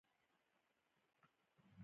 ډېری لیکوالان په نورو ژبو لیکل غوره ګڼي.